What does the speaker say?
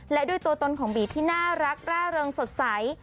และด้วยตัวตนของบีที่น่ารักร่าเริงสดใส